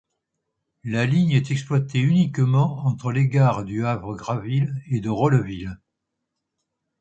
La ligne est exploitée uniquement entre les gares du Havre-Graville et de Rolleville.